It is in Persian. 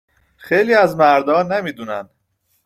خیلی از مردها نمی دونن